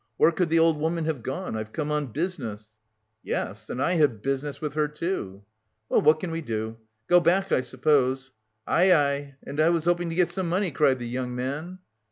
Where could the old woman have gone? I've come on business." "Yes; and I have business with her, too." "Well, what can we do? Go back, I suppose, Aie aie! And I was hoping to get some money!" cried the young man.